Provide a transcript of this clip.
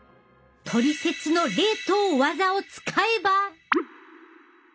トリセツの冷凍ワザを使えば。